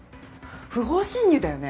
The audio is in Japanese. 不法侵入だよね。